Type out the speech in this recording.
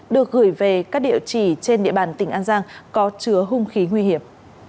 được gửi về các địa chỉ trên địa bàn tỉnh an giang có chứa hung khí nguy hiểm